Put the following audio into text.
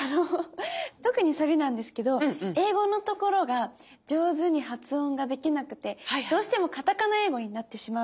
特にサビなんですけど英語のところが上手に発音ができなくてどうしてもカタカナ英語になってしまう。